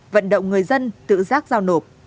vận động người dân tự giác giao nộp